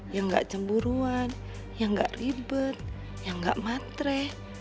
yang gak cemburuan yang gak ribet yang gak matre